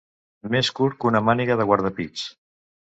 Més curt que una màniga de guardapits.